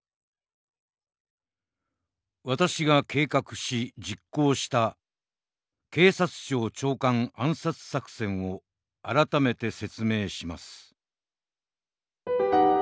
「私が計画し実行した警察庁長官暗殺作戦を改めて説明します」。